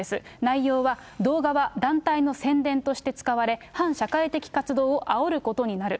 内容は、動画は団体の宣伝として使われ、反社会的活動をあおることになる。